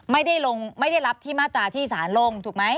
ไม่ได้รับที่มาตราที่สารลงถูกไหม